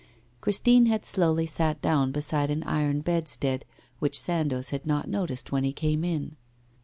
Christine had slowly sat down beside an iron bedstead, which Sandoz had not noticed when he came in.